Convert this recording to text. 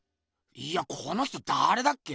いやこの人だれだっけ？